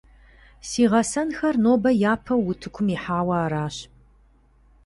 Си гъэсэнхэр нобэ япэу утыкум ихьауэ аращ.